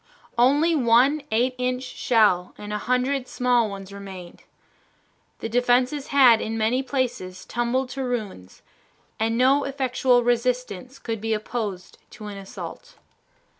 Only one eight inch shell and a hundred small ones remained. The defenses had in many places tumbled to ruins, and no effectual resistance could be opposed to an assault.